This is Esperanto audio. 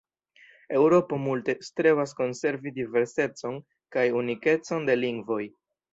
Eŭropo multe strebas konservi diversecon kaj unikecon de lingvoj.